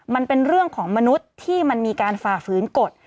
มันเป็นเรื่องของมนุษย์ที่มันมีการฝ่าฝืนกฎ